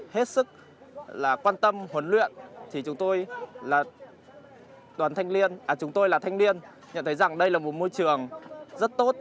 hết sức quan tâm huấn luyện chúng tôi là thanh niên nhận thấy rằng đây là một môi trường rất tốt